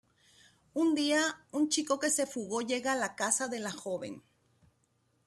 Un día un chico que se fugó llega a la case de la joven.